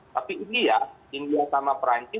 tapi india india sama perancis